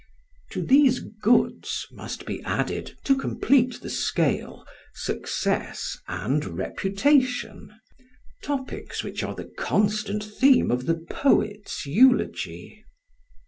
To these Goods must be added, to complete the scale, success and reputation, topics which are the constant theme of the poets' eulogy.